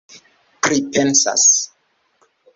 pripensas